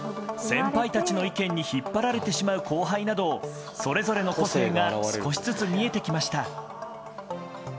先輩たちの意見に引っ張られてしまう後輩などそれぞれの個性が少しずつ見えてきました。